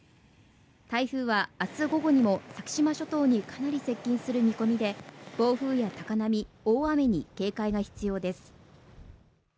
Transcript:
台風は明日午後にも先島諸島にかなり接近する見込みで暴風や高波・大雨に警戒が必要です